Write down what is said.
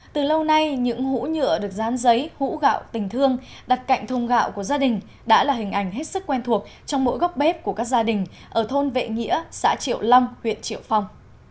từ lâu nay những hũ nhựa được dán giấy hũ gạo tình thương đặt cạnh thùng gạo của gia đình đã là hình ảnh hết sức quen thuộc trong mỗi gốc bếp của các gia đình ở thôn vệ nghĩa xã triệu long huyện triệu phong